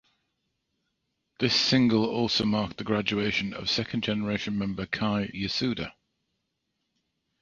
This single also marked the graduation of second generation member Kei Yasuda.